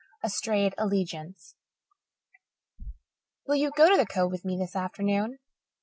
A Strayed Allegiance "Will you go to the Cove with me this afternoon?"